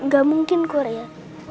gak mungkin kurir